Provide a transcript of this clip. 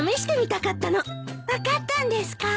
分かったんですか？